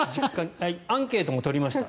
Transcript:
アンケートも取りました。